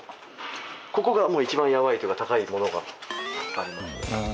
ここがもう一番ヤバいというか高いものが。